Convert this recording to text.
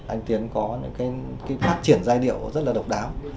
anh tiến có phát triển giai điệu rất là độc đáo